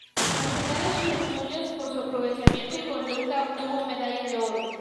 Al final de sus estudios, por su aprovechamiento y conducta, obtuvo medalla de oro.